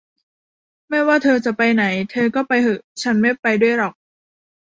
ไม่ว่าเธอจะไปไหน เธอก็ไปเหอะ ฉันไม่ไปด้วยหรอก